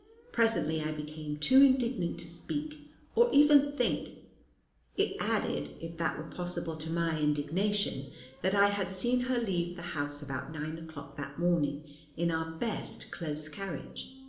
Presently, I became too indignant to speak, or even think. It added, if that were possible, to my indignation, that I had seen her leave the house, about nine o'clock that morning, in our best close carriage.